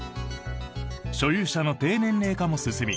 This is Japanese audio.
所有者の低年齢化も進み